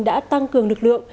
đã tăng cường lực lượng